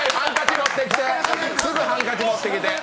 ハンカチ持ってきて。